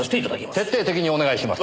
徹底的にお願いします。